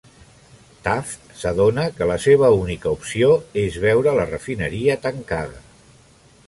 Taft s'adona que la seva única opció és veure la refineria tancada.